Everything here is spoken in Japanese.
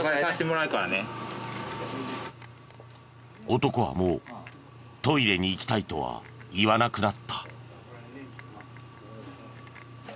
男はもうトイレに行きたいとは言わなくなった。